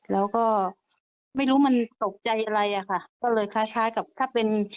แล้วก็ไม่รู้มันตกใจอะไรอะค่ะก็เลยคล้ายคล้ายกับถ้าเป็น